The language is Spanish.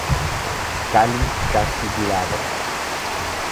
Cáliz casi glabro.